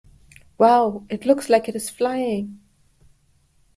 Wow! It looks like it is flying!